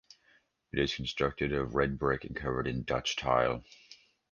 It is constructed of red brick, and covered with Dutch tile.